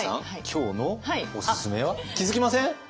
今日のオススメは気付きません？